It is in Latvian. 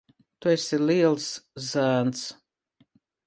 Tu esi liels zēns.